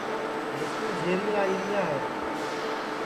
مِسکُو جھریاں آئیریاں ہے